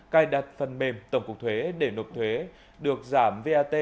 cài đặt phần mềm tổng cục thuế để nộp thuế được giảm vat từ một mươi xuống tám